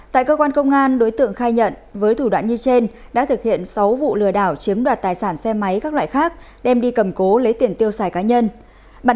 tại cơ quan công an đối tượng khai nhận với thủ đoạn như trên đã thực hiện sáu vụ lừa đảo chiếm đoạt tài sản xe máy các loại khác đem đi cầm cố lấy tiền tiêu xài cá nhân